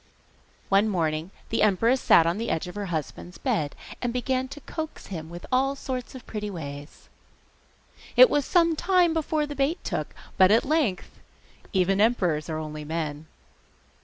One morning the empress sat on the edge of her husband's bed, and began to coax him with all sorts of pretty ways. It was some time before the bait took, but at length even emperors are only men!